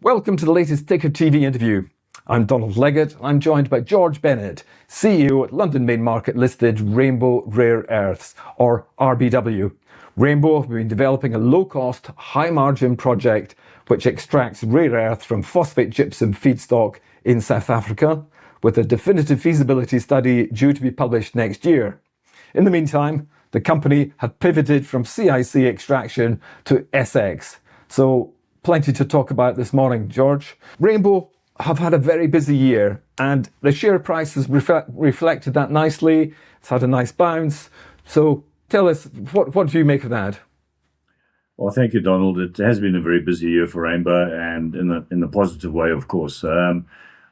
Welcome to the latest Ticker TV interview. I'm Donald Leggatt. I'm joined by George Bennett, CEO at London Main Market listed Rainbow Rare Earths, or RBW. Rainbow have been developing a low-cost, high-margin project which extracts rare earths from phosphogypsum feedstock in South Africa, with a definitive feasibility study due to be published next year. In the meantime, the company have pivoted from CIX extraction to SX. Plenty to talk about this morning, George. Rainbow have had a very busy year, and the share price has reflected that nicely. It's had a nice bounce. Tell us, what do you make of that? Well, thank you, Donald. It has been a very busy year for Rainbow, and in a positive way, of course.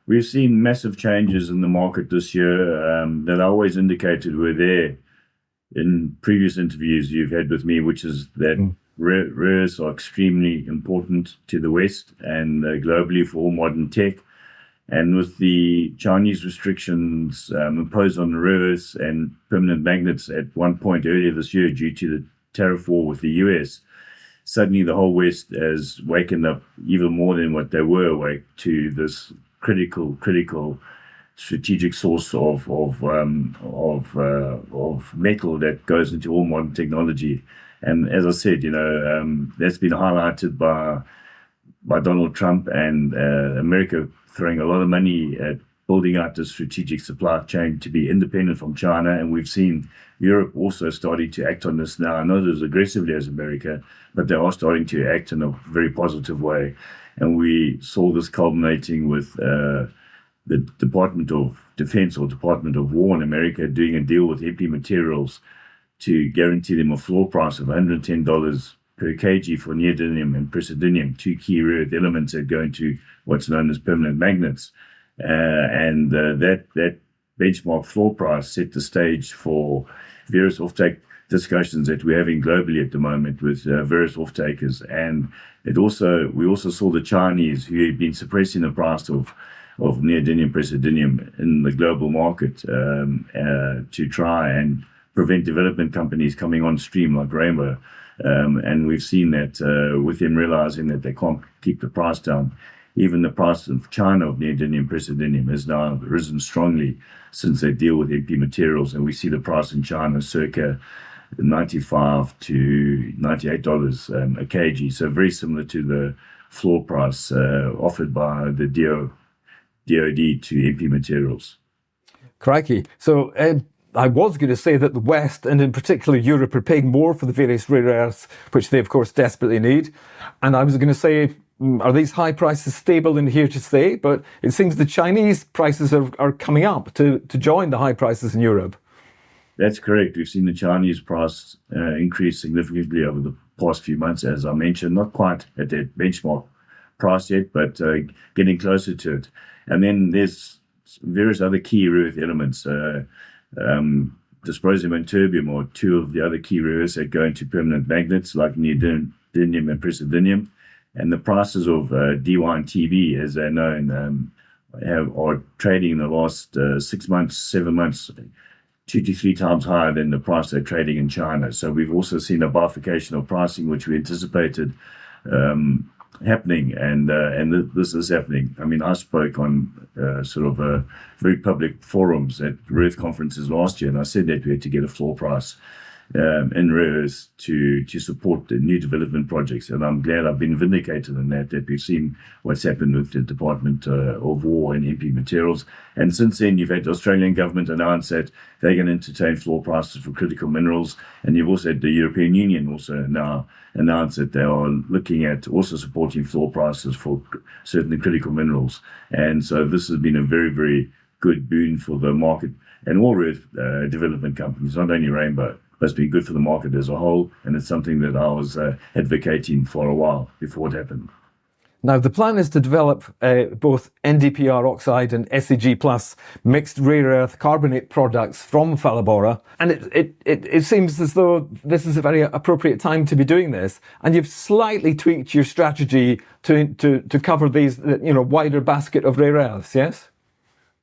We've seen massive changes in the market this year, that I always indicated were there in previous interviews you've had with me, which is that rares are extremely important to the West and, globally for all modern tech. With the Chinese restrictions, imposed on the rares and permanent magnets at one point earlier this year due to the tariff war with the U.S., suddenly the whole West has wakened up even more than what they were awake to this critical strategic source of metal that goes into all modern technology. As I said, you know, that's been highlighted by Donald Trump and America throwing a lot of money at building out the strategic supply chain to be independent from China. We've seen Europe also starting to act on this now, not as aggressively as America, but they are starting to act in a very positive way. We saw this culminating with the Department of Defense or Department of War in America doing a deal with MP Materials to guarantee them a floor price of $110 per kg for neodymium and praseodymium, two key rare earth elements that go into what's known as permanent magnets. That benchmark floor price set the stage for various offtake discussions that we're having globally at the moment with various off-takers. We also saw the Chinese, who had been suppressing the price of neodymium praseodymium in the global market to try and prevent development companies coming on stream like Rainbow. We've seen that with them realizing that they can't keep the price down. Even the price in China of neodymium praseodymium has now risen strongly since the deal with MP Materials. We see the price in China circa $95-$98 a kg. Very similar to the floor price offered by the DoD to MP Materials. Crikey. I was gonna say that the West, and in particular Europe, are paying more for the various rare earths, which they of course desperately need. I was gonna say, are these high prices stable and here to stay? It seems the Chinese prices are coming up to join the high prices in Europe. That's correct. We've seen the Chinese price increase significantly over the past few months, as I mentioned, not quite at their benchmark price yet, but getting closer to it. Then there's various other key rare earth elements. Dysprosium and terbium are two of the other key rares that go into permanent magnets like neodymium and praseodymium. The prices of Dy and Tb, as they're known, are trading in the last six months, seven months, 2-3 times higher than the price they're trading in China. We've also seen a bifurcation of pricing, which we anticipated, happening and this is happening. I mean, I spoke on, sort of, very public forums at rare earth conferences last year, and I said that we had to get a floor price in rare earths to support the new development projects. I'm glad I've been vindicated in that we've seen what's happened with the Department of Defense and MP Materials. Since then, you've had the Australian government announce that they're gonna entertain floor prices for critical minerals. You've also had the European Union also now announce that they are looking at also supporting floor prices for certain critical minerals. This has been a very, very good boon for the market and all rare earth development companies, not only Rainbow. It's been good for the market as a whole, and it's something that I was advocating for a while before it happened. Now, the plan is to develop both NdPr oxide and SEG+ mixed rare earth carbonate products from Phalaborwa, and it seems as though this is a very appropriate time to be doing this, and you've slightly tweaked your strategy to cover these, you know, wider basket of rare earths, yes?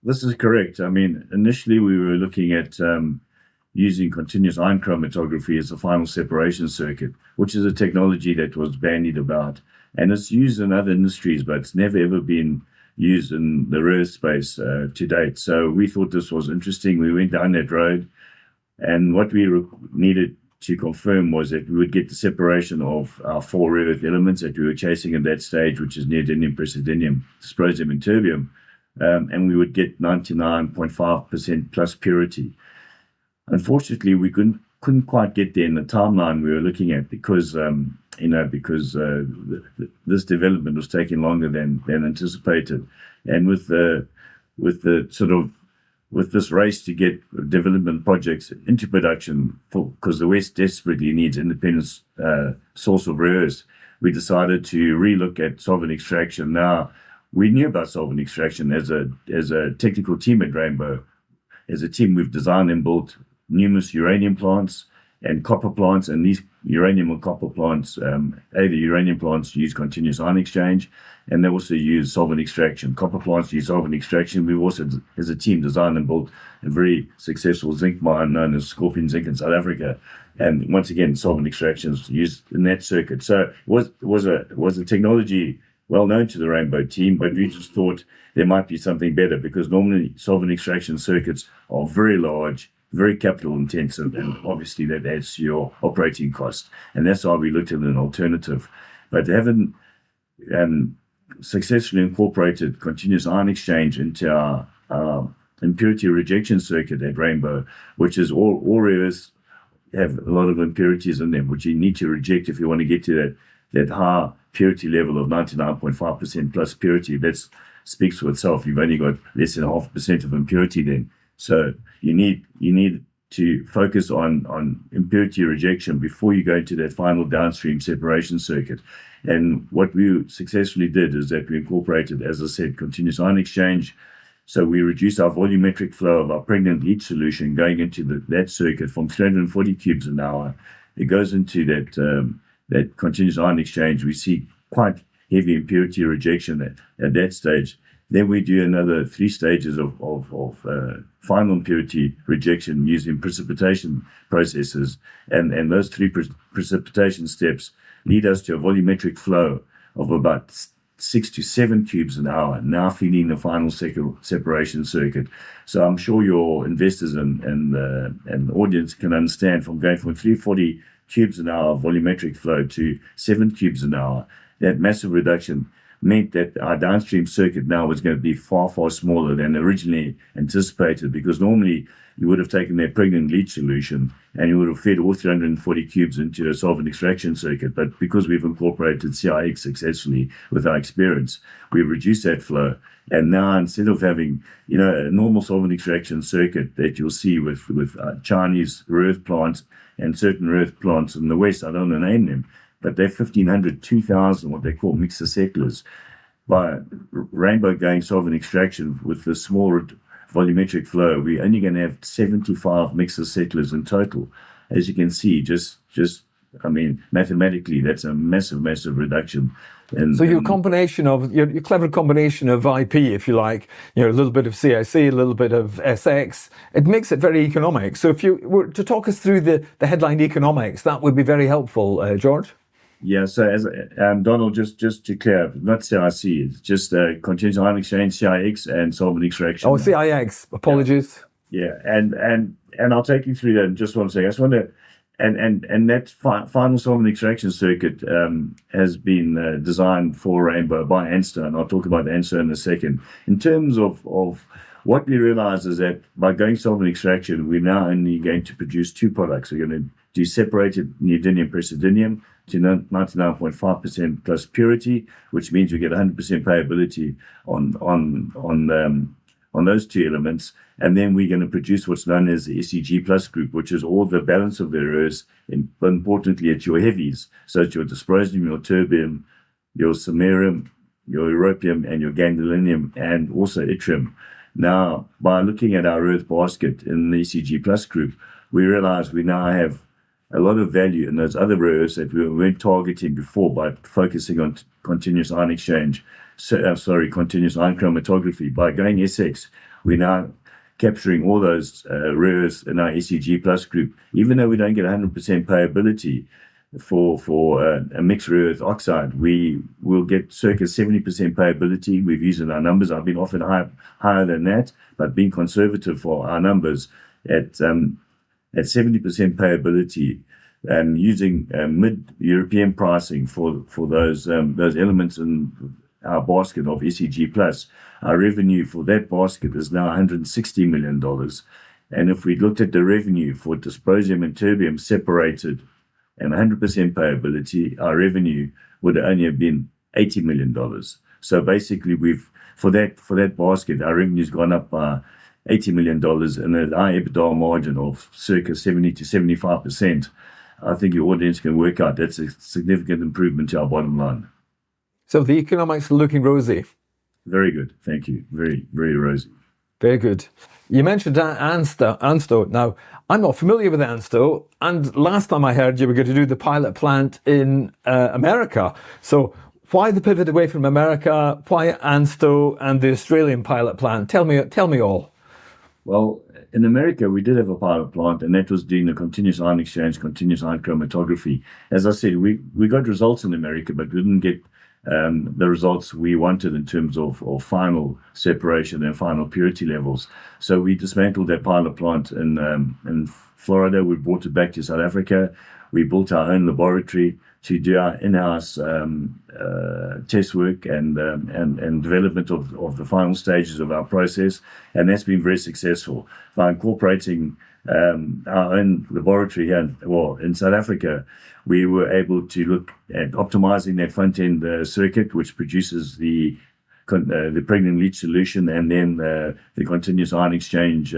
This is correct. I mean, initially we were looking at using continuous ion chromatography as the final separation circuit, which is a technology that was bandied about, and it's used in other industries, but it's never, ever been used in the rare earth space to date. We thought this was interesting. We went down that road, and what we needed to confirm was that we would get the separation of our four rare earth elements that we were chasing at that stage, which is neodymium, praseodymium, dysprosium, and terbium, and we would get 99.5% plus purity. Unfortunately, we couldn't quite get there in the timeline we were looking at because, you know, because this development was taking longer than anticipated. With this race to get development projects into production for 'cause the West desperately needs independent source of rares, we decided to re-look at solvent extraction. Now, we knew about solvent extraction as a technical team at Rainbow. As a team, we've designed and built numerous uranium plants and copper plants, and these uranium and copper plants either uranium plants use continuous ion exchange, and they also use solvent extraction. Copper plants use solvent extraction. We've also, as a team, designed and built a very successful zinc mine known as Skorpion Zinc in southern Namibia, and once again, solvent extraction was used in that circuit. It was a technology well known to the Rainbow team, but we just thought there might be something better because normally solvent extraction circuits are very large, very capital intensive, and obviously that adds to your operating costs. That's why we looked at an alternative. Having successfully incorporated continuous ion exchange into our impurity rejection circuit at Rainbow, which is all rare earths have a lot of impurities in them, which you need to reject if you wanna get to that high purity level of 99.5% plus purity. That speaks for itself. You've only got less than 0.5% of impurity then. You need to focus on impurity rejection before you go into that final downstream separation circuit. What we successfully did is that we incorporated, as I said, continuous ion exchange. We reduced our volumetric flow of our pregnant leach solution going into that circuit from 340 cubes an hour. It goes into that continuous ion exchange. We see quite heavy impurity rejection at that stage. We do another three stages of final impurity rejection using precipitation processes. Those three pre-precipitation steps lead us to a volumetric flow of about 6-7 cubes an hour now feeding the final separation circuit. I'm sure your investors and audience can understand from going from 340 cubes an hour volumetric flow to 7 cubes an hour, that massive reduction meant that our downstream circuit now was gonna be far, far smaller than originally anticipated. Because normally you would have taken that pregnant leach solution, and you would have fed all 340 cubes into a solvent extraction circuit. But because we've incorporated CIX successfully with our experience, we've reduced that flow. Now instead of having, you know, a normal solvent extraction circuit that you'll see with Chinese rare earth plants and certain rare earth plants in the West, I don't wanna name them, but they're 1,500, 2,000 what they call mixer settlers. By Rainbow going solvent extraction with the smaller volumetric flow, we're only gonna have 75 mixer settlers in total. As you can see, I mean, mathematically, that's a massive reduction. Your clever combination of IP, if you like, you know, a little bit of CIX, a little bit of SX, it makes it very economic. If you were to talk us through the headline economics, that would be very helpful, George. Yeah. As Donald, just to be clear, not CIC. Just continuous ion exchange, CIX, and solvent extraction. Oh, CIX. Apologies. I'll take you through that in just one second. That final solvent extraction circuit has been designed for Rainbow by ANSTO, and I'll talk about ANSTO in a second. In terms of what we realized is that by going solvent extraction, we're now only going to produce two products. We're gonna do separated neodymium and praseodymium to 99.5% plus purity, which means we get 100% payability on those two elements. Then we're gonna produce what's known as the SEG+ group, which is all the balance of the rare earths and importantly it's your heavies. It's your dysprosium, your terbium, your samarium, your europium, and your gadolinium, and also yttrium. Now, by looking at our rare-earth basket in the SEG+ group, we realize we now have a lot of value in those other rare earths that we weren't targeting before by focusing on continuous ion exchange, sorry, continuous ion chromatography. By going SX, we're now capturing all those rare earths in our SEG+ group. Even though we don't get 100% payability for a mixed rare earth oxide, we will get circa 70% payability. We've used 70% in our numbers. I've been offered higher than that, but being conservative for our numbers at 70% payability, using mid-European pricing for those elements in our basket of SEG+, our revenue for that basket is now $160 million. If we looked at the revenue for dysprosium and terbium separated and 100% payability, our revenue would only have been $80 million. Basically, for that basket, our revenue's gone up by $80 million and at our EBITDA margin of circa 70%-75%, I think your audience can work out that's a significant improvement to our bottom line. The economics are looking rosy. Very good. Thank you. Very, very rosy. Very good. You mentioned ANSTO. Now, I'm not familiar with ANSTO, and last time I heard you were gonna do the pilot plant in America. Why the pivot away from America? Why ANSTO and the Australian pilot plant? Tell me all. Well, in America, we did have a pilot plant, and that was doing the continuous ion exchange, continuous ion chromatography. As I said, we got results in America, but didn't get the results we wanted in terms of final separation and final purity levels. We dismantled that pilot plant in Florida. We brought it back to South Africa. We built our own laboratory to do our in-house test work and development of the final stages of our process. That's been very successful. By incorporating our own laboratory here, well, in South Africa, we were able to look at optimizing that front-end circuit, which produces the pregnant leach solution and then the continuous ion exchange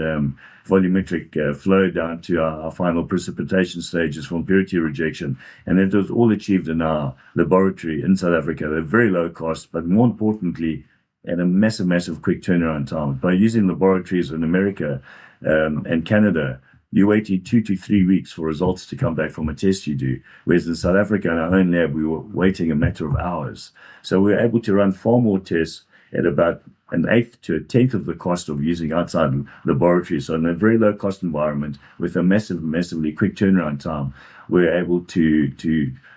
volumetric flow down to our final precipitation stages for impurity rejection. That was all achieved in our laboratory in South Africa at a very low cost, but more importantly, at a massive quick turnaround time. By using laboratories in America and Canada, you're waiting 2-3 weeks for results to come back from a test you do. Whereas in South Africa, in our own lab, we were waiting a matter of hours. We're able to run far more tests at about an 1/8 to a 1/10 of the cost of using outside laboratories on a very low-cost environment with a massive quick turnaround time. We're able to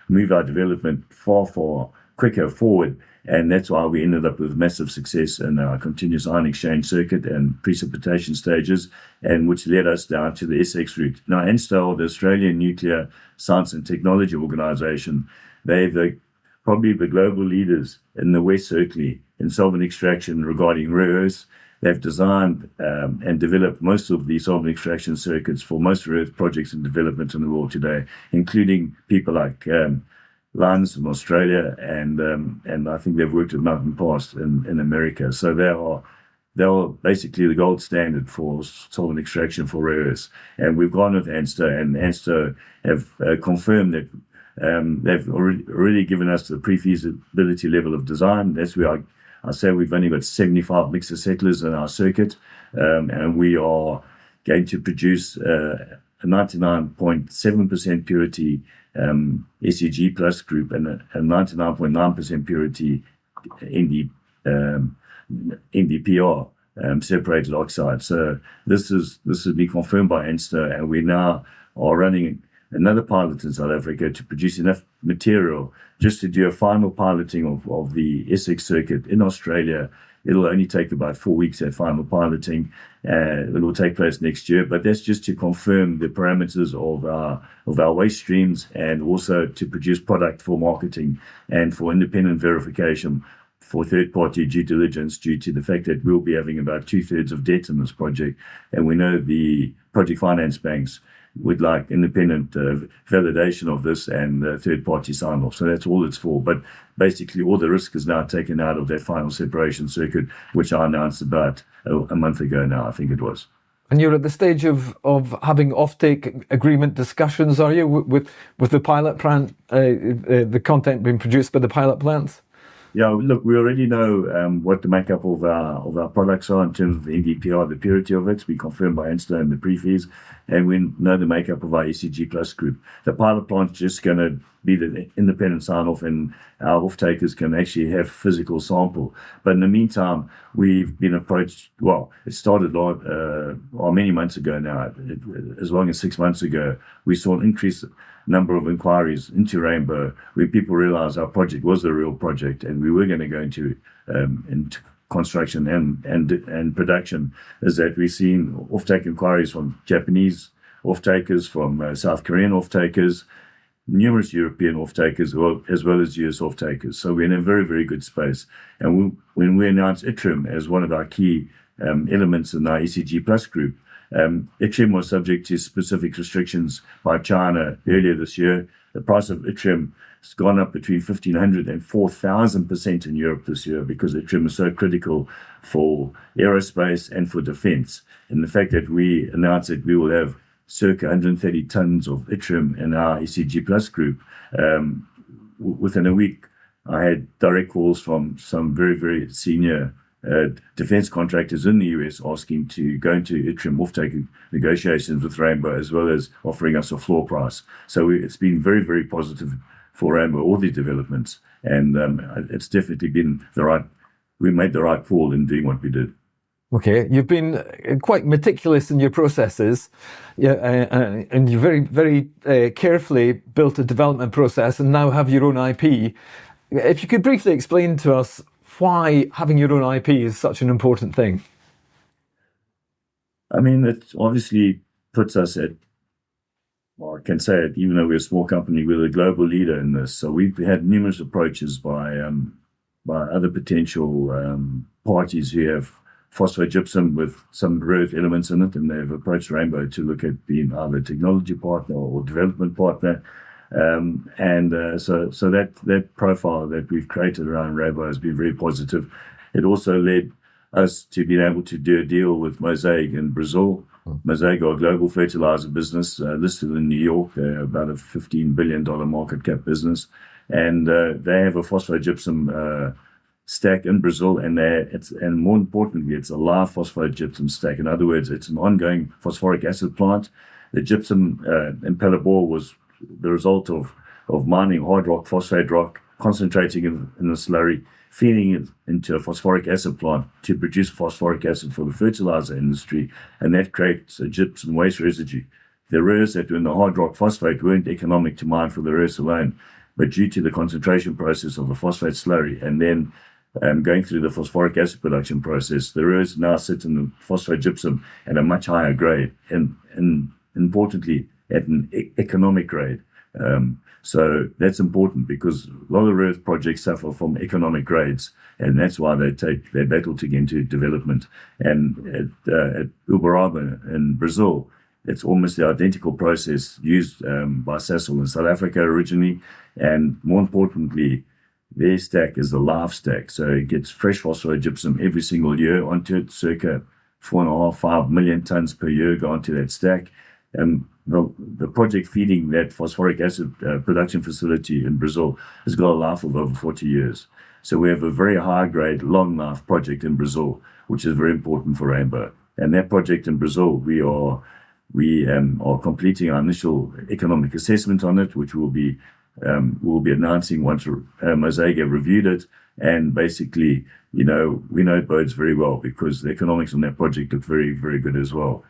move our development far quicker forward, and that's why we ended up with massive success in our continuous ion exchange circuit and precipitation stages, which led us down to the SX route. Now, ANSTO, the Australian Nuclear Science and Technology Organization, they've probably the global leaders in the West certainly in solvent extraction regarding rare earths. They've designed and developed most of the solvent extraction circuits for most rare earth projects and development in the world today, including people like Lynas in Australia and I think they've worked with Mountain Pass in America. They are basically the gold standard for solvent extraction for rare earths. We've gone with ANSTO, and ANSTO have confirmed that they've already given us the pre-feasibility level of design. As we are, I say we've only got 75 mixer settlers in our circuit. We are going to produce a 99.7% purity SEG+ group and a 99.9% purity in the NdPr separated oxide. This has been confirmed by ANSTO, and we now are running another pilot in South Africa to produce enough material just to do a final piloting of the ISX circuit in Australia. It'll only take about four weeks of final piloting that will take place next year. That's just to confirm the parameters of our waste streams and also to produce product for marketing and for independent verification for third-party due diligence due to the fact that we'll be having about two-thirds of debt in this project. We know the project finance banks would like independent validation of this and a third-party sign-off. That's all it's for. Basically all the risk is now taken out of that final separation circuit, which I announced about a month ago now, I think it was. You're at the stage of having offtake agreement discussions, are you, with the pilot plant, the content being produced by the pilot plant? Yeah. Look, we already know what the makeup of our products are in terms of NdPr, the purity of it has been confirmed by ANSTO in the pre-feas. We know the makeup of our SEG+ group. The pilot plant's just gonna be the independent sign-off and our offtakers can actually have physical sample. In the meantime, we've been approached. Well, it started like, oh, many months ago now. As long as six months ago, we saw an increased number of inquiries into Rainbow where people realized our project was the real project and we were gonna go into construction and production. That is, we've seen offtake inquiries from Japanese offtakers, from South Korean offtakers, numerous European offtakers, well, as well as U.S. offtakers. We're in a very, very good space. When we announced yttrium as one of our key elements in our SEG+ group, yttrium was subject to specific restrictions by China earlier this year. The price of yttrium has gone up between 1,500%-4,000% in Europe this year because yttrium is so critical for aerospace and for defense. The fact that we announced that we will have circa 130 tons of yttrium in our SEG+ group, within a week I had direct calls from some very senior defense contractors in the U.S. asking to go into yttrium offtake negotiations with Rainbow, as well as offering us a floor price. It's been very positive for Rainbow, all the developments and, it's definitely been the right call in doing what we did. Okay. You've been quite meticulous in your processes. Yeah, you very carefully built a development process and now have your own IP. If you could briefly explain to us why having your own IP is such an important thing. I mean, it obviously puts us at. Well, I can say it, even though we're a small company, we're the global leader in this. We've had numerous approaches by other potential parties who have phosphogypsum with some rare earth elements in it, and they've approached Rainbow to look at being either a technology partner or development partner. That profile that we've created around Rainbow has been very positive. It also led us to being able to do a deal with Mosaic in Brazil. Mm. Mosaic are a global fertilizer business, listed in New York. They're about a $15 billion market cap business. They have a phosphogypsum stack in Brazil and it's a live phosphogypsum stack. More importantly, it's a live phosphogypsum stack. In other words, it's an ongoing phosphoric acid plant. The gypsum in Phalaborwa was the result of mining hard rock phosphate rock concentrating in the slurry, feeding it into a phosphoric acid plant to produce phosphoric acid for the fertilizer industry, and that creates a gypsum waste residue. The rare earths that were in the hard rock phosphate weren't economic to mine for the rare earths alone. Due to the concentration process of the phosphate slurry and then going through the phosphoric acid production process, the rare earths now sit in the phosphogypsum at a much higher grade and importantly at an economic grade. So that's important because a lot of the rare earth projects suffer from economic grades, and that's why they battle to get into development. At Uberaba in Brazil, it's almost the identical process used by Sasol in South Africa originally. More importantly, their stack is a live stack, so it gets fresh phosphogypsum every single year onto it. Circa 4.5-5 million tons per year go onto that stack. The project feeding that phosphoric acid production facility in Brazil has got a life of over 40 years. We have a very high grade, long life project in Brazil, which is very important for Rainbow. That project in Brazil, we are completing our initial economic assessment on it, which we'll be announcing once Mosaic have reviewed it. Basically, you know, we know it bodes very well because the economics on that project look very, very good as well.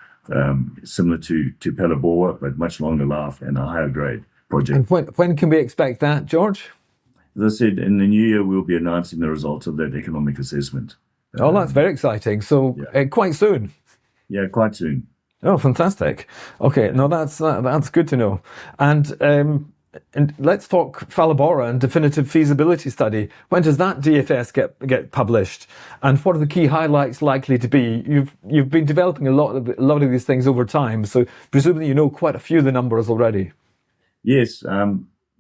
Similar to Phalaborwa, but much longer life and a higher grade project. When can we expect that, George? As I said, in the new year we'll be announcing the results of that economic assessment. Oh, that's very exciting. Yeah. Quite soon? Yeah, quite soon. Oh, fantastic. Okay. No, that's good to know. Let's talk Phalaborwa and definitive feasibility study. When does that DFS get published? What are the key highlights likely to be? You've been developing a lot of these things over time, so presumably you know quite a few of the numbers already. Yes.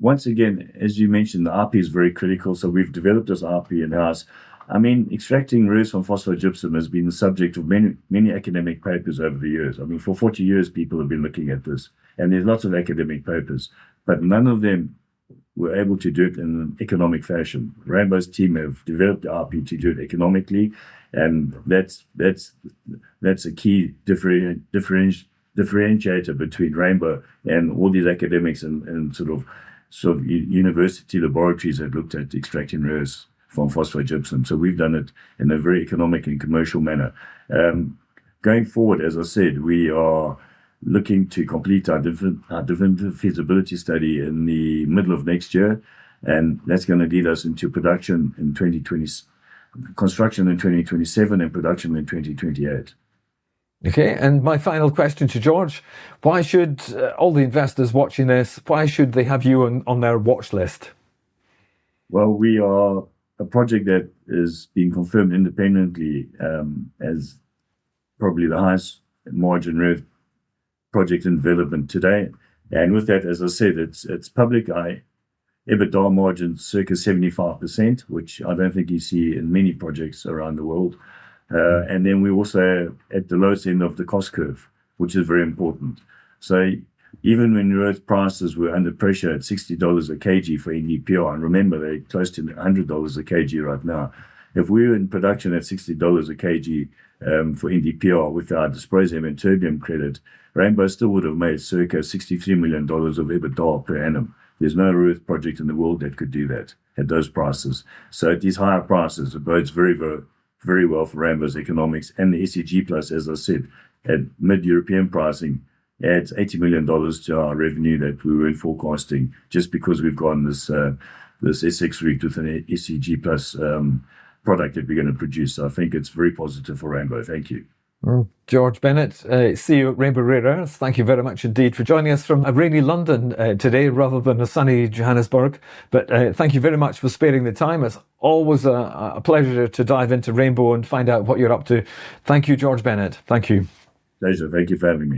Once again, as you mentioned, the IP is very critical, so we've developed this IP in-house. I mean, extracting rare earths from phosphogypsum has been the subject of many, many academic papers over the years. I mean, for 40 years people have been looking at this, and there's lots of academic papers, but none of them were able to do it in an economic fashion. Rainbow's team have developed the IP to do it economically, and that's a key differentiator between Rainbow and all these academics and sort of university laboratories have looked at extracting rare earths from phosphogypsum. We've done it in a very economic and commercial manner. Going forward, as I said, we are looking to complete our definitive feasibility study in the middle of next year, and that's gonna lead us into production in 2020. Construction in 2027 and production in 2028. Okay. My final question to George, why should all the investors watching this, why should they have you on their watch list? Well, we are a project that is being confirmed independently as probably the highest margin rare earth project in development today. With that, as I said, it's public. EBITDA margin circa 75%, which I don't think you see in many projects around the world. Then we're also at the lowest end of the cost curve, which is very important. Even when rare earth prices were under pressure at $60 a kg for NdPr, and remember they're close to $100 a kg right now, if we were in production at $60 a kg for NdPr with our dysprosium and terbium credit, Rainbow still would've made circa $63 million of EBITDA per annum. There's no rare earth project in the world that could do that at those prices. At these higher prices, it bodes very, very well for Rainbow's economics. The SEG+, as I said, at mid European pricing adds $80 million to our revenue that we weren't forecasting just because we've got this SX rig with an SEG+ product that we're gonna produce. I think it's very positive for Rainbow. Thank you. Well, George Bennett, CEO at Rainbow Rare Earths, thank you very much indeed for joining us from a rainy London today rather than a sunny Johannesburg. Thank you very much for sparing the time. It's always a pleasure to dive into Rainbow and find out what you're up to. Thank you, George Bennett. Thank you. Pleasure. Thank you for having me.